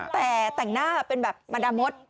แต่แต่งหน้าเป็นแบบมาดามด